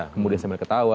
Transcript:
kemudian sambil ketawa